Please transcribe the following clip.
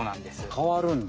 かわるんだ。